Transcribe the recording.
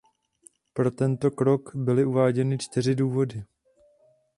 Pro tento krok byly uváděny čtyři důvody.